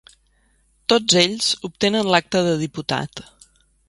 Tots ells obtenen l'acta de diputat.